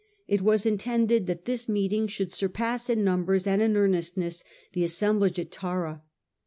It was in tended that this meeting should surpass in numbers and in earnestness the assemblage at Tara.